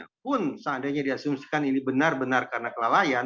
walaupun seandainya diasumsikan ini benar benar karena kelalaian